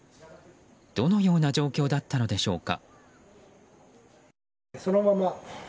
どのような状況だったのでしょうか。